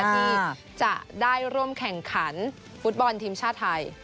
ที่จะได้ร่วมแข่งขันฟุตบอลทีมชาติไทย